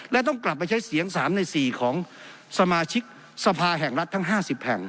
และต้องกลับไปใช้เสียง๓ใน๔ของสมาชิกสภาแห่งรัฐทั้ง๕๐แห่ง